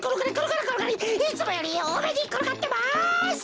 いつもよりおおめにころがってます！